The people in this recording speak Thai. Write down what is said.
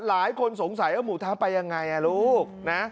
หลายคนสงสัยว่าหมูทะไปยังไงลูกนะ